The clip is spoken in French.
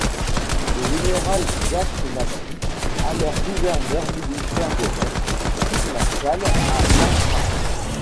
Le général Jacques Massu, alors gouverneur militaire de Metz, quitte la salle à l’entracte.